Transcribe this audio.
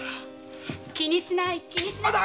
気にしない気にしない。